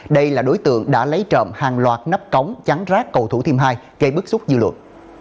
đây là đối tượng đã lấy trộm hàng loạt nắp cống trắng rác cầu thủ thiêm hai gây bức xúc dư luận